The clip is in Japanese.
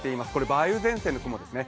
梅雨前線の雲ですね